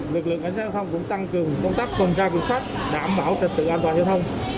lực lượng cảnh sát giao thông cũng tăng cường công tác tuần tra kiểm soát đảm bảo trật tự an toàn giao thông